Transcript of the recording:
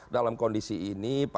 dalam kondisi ini